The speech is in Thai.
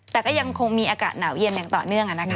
แต่ก็ยังคงมีอากาศหนาวเย็นอย่างต่อเนื่อง